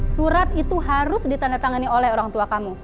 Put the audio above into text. surat itu harus ditandatangani oleh orang tua kamu